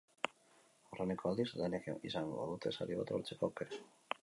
Aurreneko aldiz, denek izango dute sari bat lortzeko aukera.